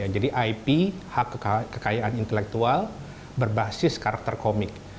jadi ip hak kekayaan intelektual berbasis karakter komik